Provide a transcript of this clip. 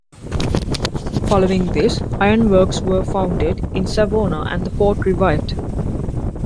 Following this, ironworks were founded in Savona and the port revived.